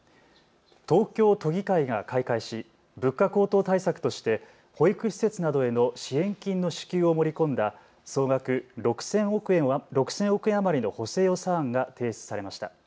東京都議会が開会し物価高騰対策として保育施設などへの支援金の支給を盛り込んだ総額６０００億円余りの補正予算案が提出されました。